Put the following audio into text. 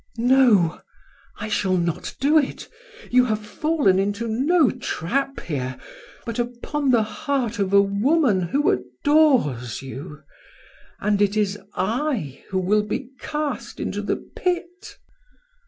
"No, I shall not do it! You have fallen into no trap here, but upon the heart of a woman who adores you, and it is I who will be cast into the pit."